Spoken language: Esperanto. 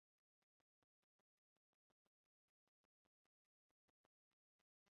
Ĝi estas komuna loĝanto.